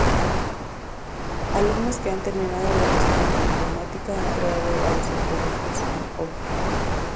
Alumnos que han terminado los estudios de Informática han creado varias empresas "spin-off".